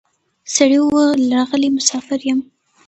سړي وویل راغلی مسافر یم